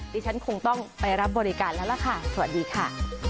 ดิฉันคงต้องไปรับบริการแล้วล่ะค่ะสวัสดีค่ะ